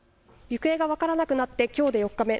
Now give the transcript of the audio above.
行方が分からなくなってきょうで４日目。